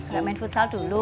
gak main futsal dulu